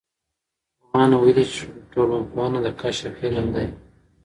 پوهانو ویلي چې ټولنپوهنه د کشف علم دی.